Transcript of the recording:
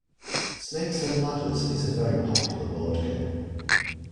Snakes and ladders is a very popular board game